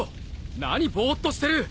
何ぼーっとしてる！